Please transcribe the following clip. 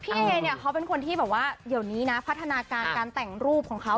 พี่เอเนี่ยเขาเป็นคนที่แบบว่าเดี๋ยวนี้นะพัฒนาการการแต่งรูปของเขา